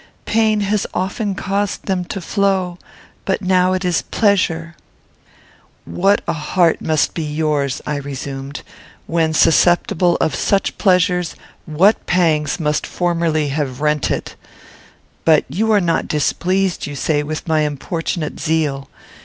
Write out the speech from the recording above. Pain has often caused them to flow, but now it is pleasure." "What a heart must yours be!" I resumed. "When susceptible of such pleasures, what pangs must formerly have rent it! But you are not displeased, you say, with my importunate zeal.